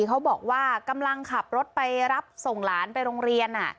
เขาบอกว่ากำลังขับรถไปรับส่งหลานไปโรงเรียน